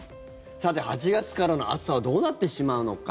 さて、８月からの暑さはどうなってしまうのか。